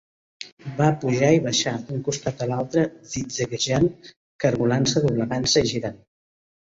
Va pujar i baixar, d'un costat a l'altre, zigzaguejant, cargolant-se, doblegant-se i girant.